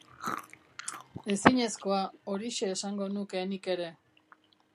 Ezinezkoa, horixe esango nuke nik ere.